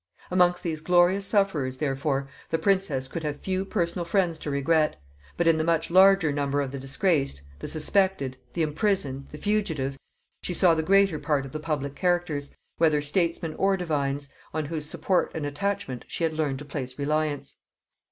Amongst these glorious sufferers, therefore, the princess could have few personal friends to regret; but in the much larger number of the disgraced, the suspected, the imprisoned, the fugitive, she saw the greater part of the public characters, whether statesmen or divines, on whose support and attachment she had learned to place reliance.